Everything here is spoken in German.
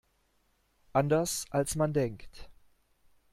Anders als man denkt.